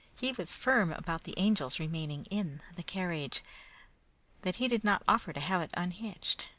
He was firm about the Angel's remaining in the carriage, that he did not offer to have unhitched.